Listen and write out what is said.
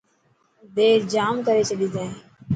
دير ڄام ڪري ڇڏي تين.